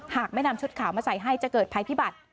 หากไม่นำชุดขาวมาใส่ให้จะเกิดภัยพิบัติ